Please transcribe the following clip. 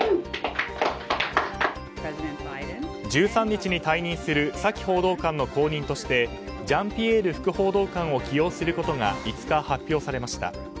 １３日に退任するサキ報道官の後任としてジャンピエール副報道官を起用することが５日、発表されました。